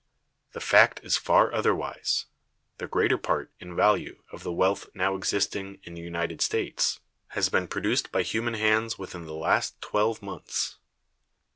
The fact is far otherwise. The greater part, in value, of the wealth now existing [in the United States] has been produced by human hands within the last twelve months.